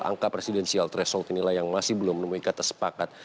angka presidensial threshold inilah yang masih belum menemui kata sepakat